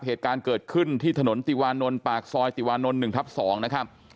เหตุการณ์เกิดขึ้นที่ถนนติวานนท์ปากซอยติวานนท์๑ทับ๒นะครับ